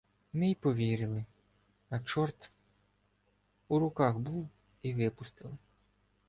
Ми й повірили! А, чорт! У руках був, і випустили!